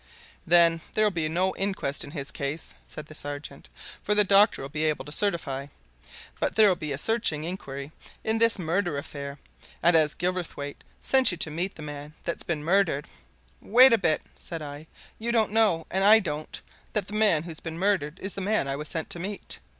"Then there'll be no inquest in his case," said the sergeant, "for the doctor'll be able to certify. But there'll be a searching inquiry in this murder affair, and as Gilverthwaite sent you to meet the man that's been murdered " "Wait a bit!" said I. "You don't know, and I don't, that the man who's been murdered is the man I was sent to meet.